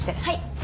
はい。